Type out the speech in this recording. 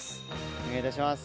お願い致します。